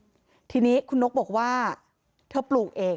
สวัสดีคุณผู้ชายสวัสดีคุณผู้ชาย